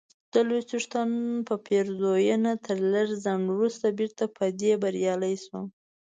د لوی څښتن په پېرزوینه تر لږ ځنډ وروسته بیرته په دې بریالی سوم،